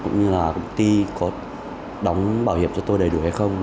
cũng như là công ty có đóng bảo hiểm cho tôi đầy đủ hay không